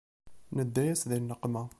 Nedda-yas di nneqma.